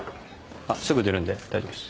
すぐ出るんで大丈夫です。